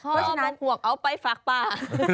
พ่อมาห่วงเอาไปฟักป่า